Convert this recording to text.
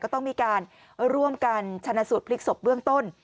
ต้องมีการร่วมกันชนะสูตรพลิกศพเบื้องต้น